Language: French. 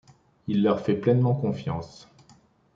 Il leur fait pleinement confiance.